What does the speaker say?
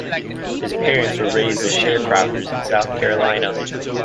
His parents were raised as sharecroppers in South Carolina.